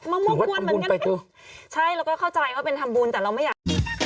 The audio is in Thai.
มะม่วงกวนเหมือนกันใช่เราก็เข้าใจว่าเป็นทำบุญแต่เราไม่อยากกิน